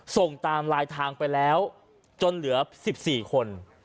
ส่งตามลายทางไปแล้วจนเหลือ๑๔คน